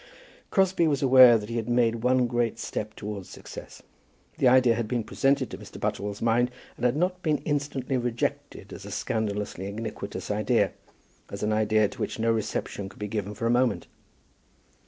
Crosbie was aware that he had made one very great step towards success. The idea had been presented to Mr. Butterwell's mind, and had not been instantly rejected as a scandalously iniquitous idea, as an idea to which no reception could be given for a moment.